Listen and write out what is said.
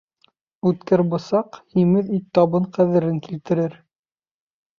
Үткер бысаҡ, һимеҙ ит табын ҡәҙерен килтерер